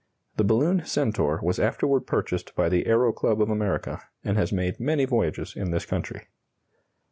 The balloon "Centaur" was afterward purchased by the Aero Club of America, and has made many voyages in this country.